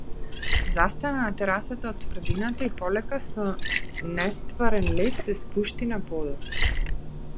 Застана на терасата од тврдината и полека, со нестварен лет се спушти на подот.